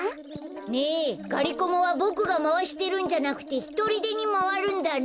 ねえがりコマはボクがまわしてるんじゃなくてひとりでにまわるんだね。